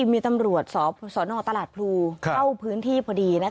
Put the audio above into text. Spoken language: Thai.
มีตำรวจสนตลาดพลูเข้าพื้นที่พอดี